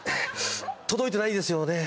届いてないですよね？